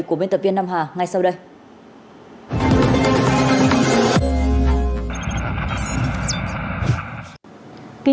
của biên tập viên nam hà ngay sau đây